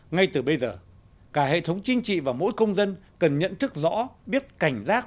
ngay từ bây giờ cả hệ thống chính trị và mỗi công dân cần nhận thức rõ biết cảnh giác